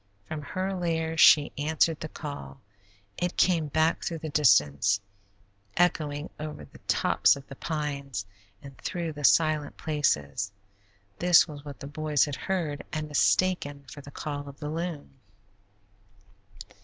From her lair she answered the call; it came back through the distance, echoing over the tops of the pines, and through the silent places. This was what the boys had heard and mistaken for the call of the loon.